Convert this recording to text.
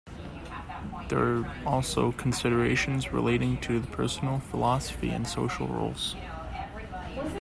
There are also considerations relating to personal philosophy and social roles.